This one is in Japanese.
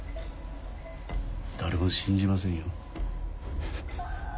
誰も信じませんよ。